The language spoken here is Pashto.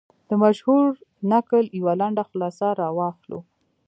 د مشهور نکل یوه لنډه خلاصه را واخلو.